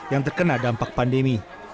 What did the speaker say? yang terkena dampak pandemi